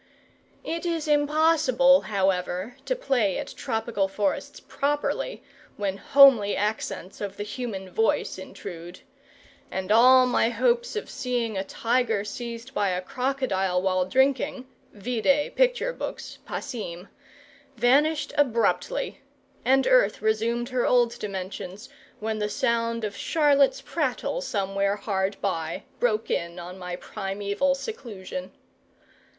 It is impossible, however, to play at tropical forests properly, when homely accents of the human voice intrude; and all my hopes of seeing a tiger seized by a crocodile while drinking (vide picture books, passim) vanished abruptly, and earth resumed her old dimensions, when the sound of Charlotte's prattle somewhere hard by broke in on my primeval seclusion.